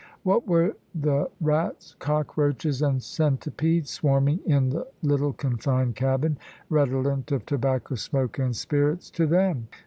What were the rats, cockroaches, and centipedes swarming in the little confined cabin, redolent of tobacco smoke and spirits, to them?